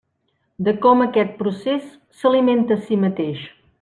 De com aquest procés s'alimenta a si mateix.